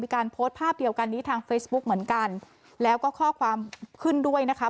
การโพสต์ภาพเดียวกันนี้ทางเฟซบุ๊กเหมือนกันแล้วก็ข้อความขึ้นด้วยนะคะ